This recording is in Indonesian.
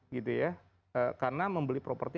gitu ya karena membeli properti